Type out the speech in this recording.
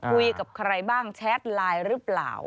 คุยกับใครบ้างแชทไลน์หรือเปล่า